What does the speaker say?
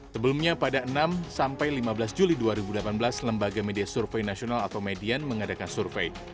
sebelumnya pada enam sampai lima belas juli dua ribu delapan belas lembaga media survei nasional atau median mengadakan survei